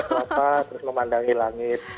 kelapa terus memandangi langit